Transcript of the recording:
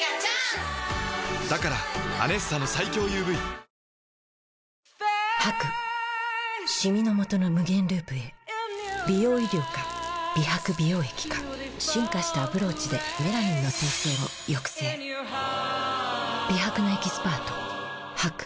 だから「アネッサ」の最強ＵＶシミのもとの無限ループへ美容医療か美白美容液か進化したアプローチでメラニンの生成を抑制美白のエキスパート